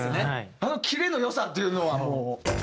あのキレの良さっていうのはもう。